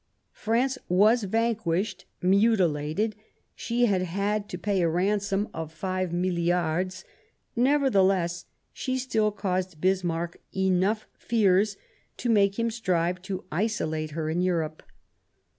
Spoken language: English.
France was vanquished, mutilated, she had had to pay a ransom of five milliards ; nevertheless, she still caused Bismarck enough fears to make him strive to isolate her in Europe.